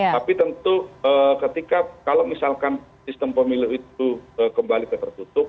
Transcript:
tapi tentu ketika kalau misalkan sistem pemilu itu kembali ke tertutup